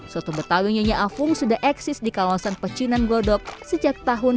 soto betawi nyonya afung sudah eksis di kawasan picinan godok sejak tahun seribu sembilan ratus delapan puluh dua